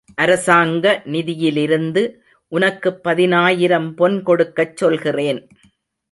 அரசாங்க நிதியிலிருந்து உனக்குப் பதினாயிரம் பொன்கொடுக்கச் சொல்கிறேன்.